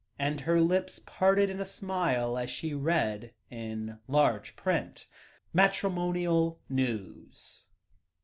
And her lips parted in a smile, as she read, in large print: "MATRIMONIAL NEWS."